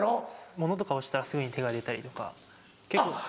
物とか落ちたらすぐに手が出たりとか結構。